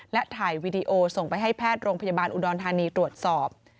และถ่ายวีดีโอส่งไปให้แพทย์โรงพยาบาลอุดรธานีตรวจสอบ